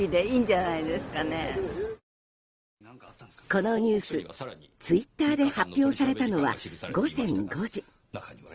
このニュース、ツイッターで発表されたのは午前５時。